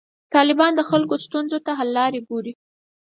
طالبان د خلکو ستونزو ته د حل لارې ګوري.